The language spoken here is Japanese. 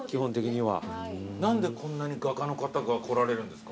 何でこんなに画家の方が来られるんですか？